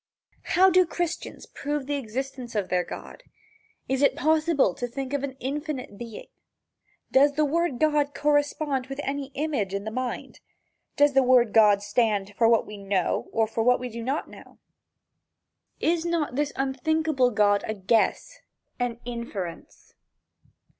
How do Christians prove the existence of their God? Is it possible to think of an infinite being? Does the word God correspond with any image in the mind? Does the word God stand for what we know or for what we do not know? Is not this unthinkable God a guess, an inference?